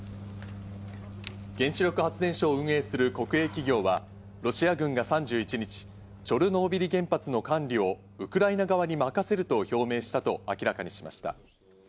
原子力発電所を運営する国営企業はロシア軍が３１日、チョルノービリ原発の管理をウクライナ側に任せると表明したと明らかにしました。